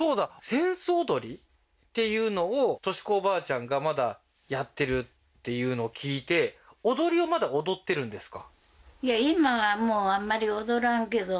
扇子踊りっていうのをトシコおばあちゃんがまだやってるっていうのを聞いて踊りをまだ踊ってるんですか？